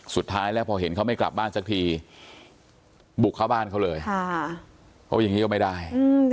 สุดท้ายแล้วพอเห็นเขาไม่กลับบ้านสักทีบุกเข้าบ้านเขาเลยเพราะอย่างนี้ก็ไม่ได้